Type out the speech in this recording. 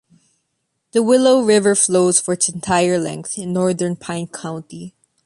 The Willow River flows for its entire length in northern Pine County.